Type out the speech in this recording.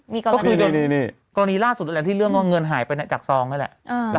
มีกรณีในกรณีล่าสุดอันที่เรื่องว่าเงินหายไปจากซองก็แหละ